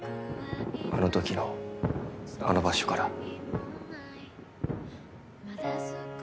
あのときのあの場所から。